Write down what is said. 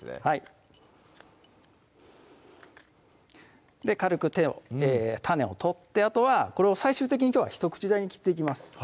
はい軽く種を取ってあとはこれを最終的にきょうは一口大に切っていきます